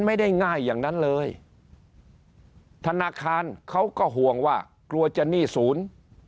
ไม่ได้ง่ายอย่างนั้นเลยธนาคารเขาก็ห่วงว่ากลัวจะหนี้ศูนย์